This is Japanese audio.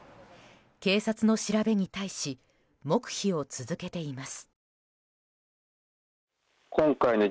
警察の調べに対し黙秘を続けています。